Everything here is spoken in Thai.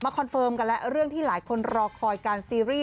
คอนเฟิร์มกันแล้วเรื่องที่หลายคนรอคอยการซีรีส